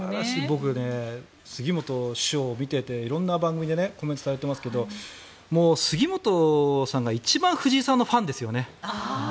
僕、杉本師匠を見ていて色んな番組でコメントされていますけど杉本さんが一番藤井さんのファンですよね。